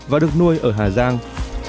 và được nuôi ở hà giang